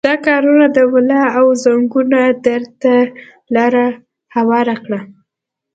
دا کارونه د ملا او زنګنونو درد ته لاره هواره کړه.